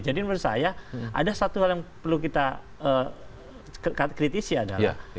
jadi menurut saya ada satu hal yang perlu kita kritisikan